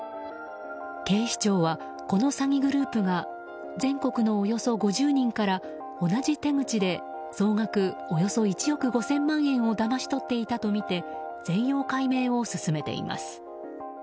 警視庁はこの詐欺グループが全国のおよそ５０人から同じ手口で総額およそ１億５０００万円をだまし取っていたとみて全容解明を進めています。